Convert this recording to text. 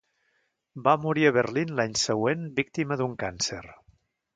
Va morir a Berlín l'any següent víctima d'un càncer.